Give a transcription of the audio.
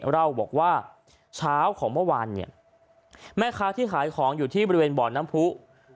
เล่าบอกว่าเช้าของเมื่อวานเนี่ยแม่ค้าที่ขายของอยู่ที่บริเวณบ่อน้ำผู้